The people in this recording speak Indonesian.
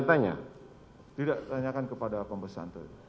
tidak tanyakan kepada pembesantan